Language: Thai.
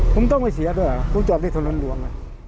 ผมต้องไปเสียด้วยหรอผมจอดได้ตั้งนานหลวง